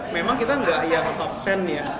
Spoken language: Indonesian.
memang kita enggak yang top ten ya